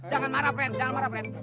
jangan marah fren